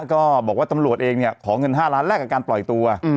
ก็บอกว่าตำรวจเองเนี่ยขอเงิน๕ล้านแรกกับการปล่อยตัว